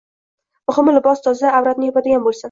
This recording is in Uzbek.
muhimi libos toza, avratni yopadigan bo‘lsin.